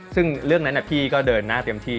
ซึ่งเรื่องนั้นพี่ก็เดินหน้าเต็มที่